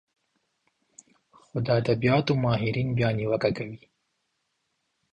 خو د ادبياتو ماهرين بيا نيوکه کوي